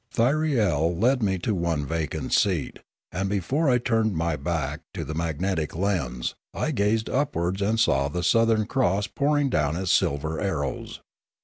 Thyriel led me to one vacant seat, and before I turned my back to the magnetic lens, I gazed upwards and saw the Southern Cross pouring down its silver arrows.